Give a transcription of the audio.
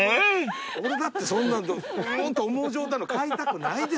俺だってそんな「うーん？」と思う状態の買いたくないですよ。